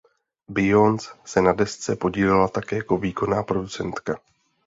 Beyoncé se na desce podílela také jako výkonná producentka.